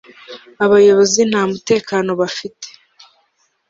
abayobozi nta mutekano bafite